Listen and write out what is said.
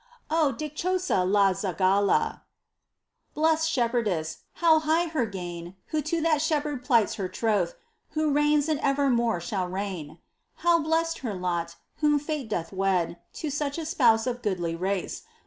¡ Oh ! dichosa la zagala ! Blest shepherdess ! How high her gain Who to that Shepherd plights her troth Who reigns and evermore shall reign ! How blest her lot, whom fate doth wed. To such a Spouse of goodly race